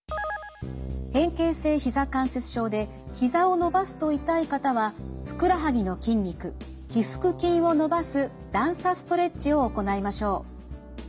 変形性ひざ関節症でひざを伸ばすと痛い方はふくらはぎの筋肉腓腹筋を伸ばす段差ストレッチを行いましょう。